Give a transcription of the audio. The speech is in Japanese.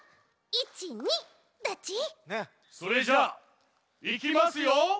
それじゃあいきますよ。